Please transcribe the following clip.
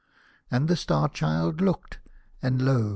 " And the Star Child looked, and lo